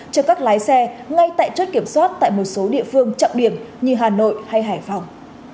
cho các lái xe ngay tại chốt kiểm soát tại một số địa phương trọng điểm như hà nội hay hải phòng